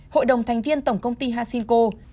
hội đồng thành viên tổng công ty hasinko